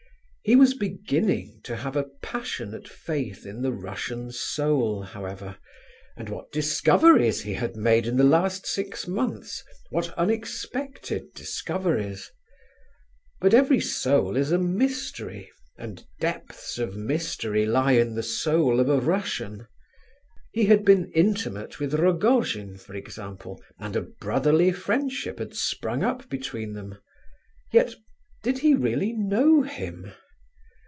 He was beginning to have a passionate faith in the Russian soul, however, and what discoveries he had made in the last six months, what unexpected discoveries! But every soul is a mystery, and depths of mystery lie in the soul of a Russian. He had been intimate with Rogojin, for example, and a brotherly friendship had sprung up between them—yet did he really know him?